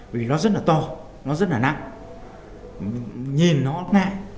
vì nó rất là to nó rất là nặng nhìn nó ngại